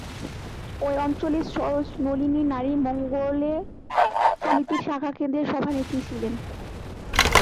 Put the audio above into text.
ঐ অঞ্চলে সরোজ নলিনী নারী মঙ্গল সমিতির শাখা কেন্দ্রের সভানেত্রী ছিলেন।